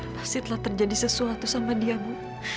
pasti telah terjadi sesuatu sama dia bu